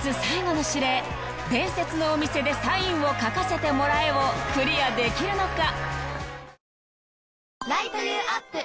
「伝説のお店でサインを書かせてもらえ」をクリアできるのか？